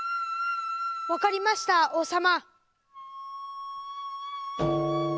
わかりました王様。